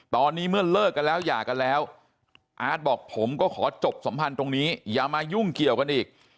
ตอนนี้เมื่อเลิกกันแล้วหย่ากันแล้วอาร์ตบอกผมก็ขอจบสัมพันธ์ตรงนี้อย่ามายุ่งเกี่ยวกันอีก